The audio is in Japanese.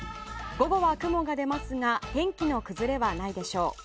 午後は雲が出ますが天気の崩れはないでしょう。